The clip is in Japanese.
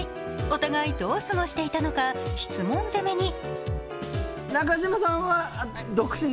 お互い、どう過ごしていたのか質問攻めに。